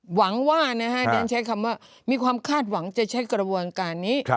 หวังว่านะฮะเรียนใช้คำว่ามีความคาดหวังจะใช้กระบวนการนี้